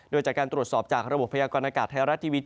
โดยจากการตรวจสอบจากระบบพยากรณากาศไทยรัฐทีวี